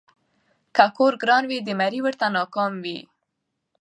ـ که ګور ګران وي د مړي ورته نه کام وي.